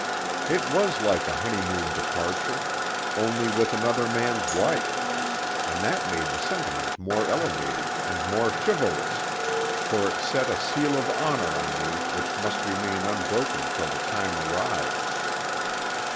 It was like a honeymoon departure, only with another man's wife; and that made the sentiment more elevated and more chivalrous, for it set a seal of honour on me which must remain unbroken till the time arrived.